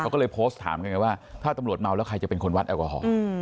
ก็เลยปฏิบัติไว้ถามกันว่าถ้าตำรวจเมาแล้วใครจะเป็นคนวัดแอลกอโฮ